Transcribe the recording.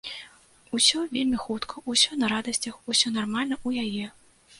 Усё вельмі хутка, усё на радасцях, усё нармальна ў яе.